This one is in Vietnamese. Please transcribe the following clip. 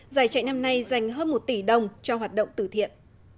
giải chạy năm nay dành hơn một tỷ đồng cho hoạt động tử thiện